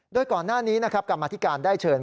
โดยก่อนหน้านี้นะครับกรรมธิการได้เชิญ